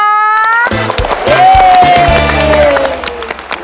เย้